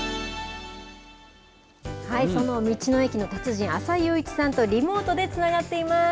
その道の駅の達人、浅井佑一さんとリモートでつながっています。